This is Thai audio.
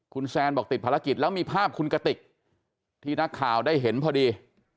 คุณแซนบอกติดภารกิจแล้วมีภาพคุณกติกที่นักข่าวได้เห็นพอดี